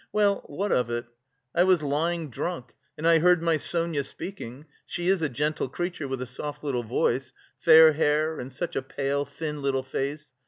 well, what of it! I was lying drunk and I heard my Sonia speaking (she is a gentle creature with a soft little voice... fair hair and such a pale, thin little face).